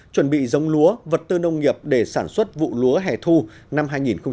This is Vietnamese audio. chuẩn bị dống lúa vật tư nông nghiệp để sản xuất vụ lúa hẻ thu năm hai nghìn một mươi chín